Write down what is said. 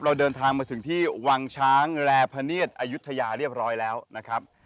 เราเดินทางมาถึงที่วังช้างแร่พะเนียดอายุทยาเรียบร้อยแล้วนะครับ